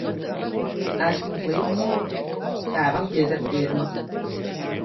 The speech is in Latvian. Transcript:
Esmu glīts, tēvam pieder firma.